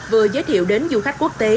vừa giới thiệu đến du khách quốc tế